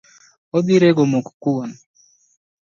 Odhi rego mok kuon.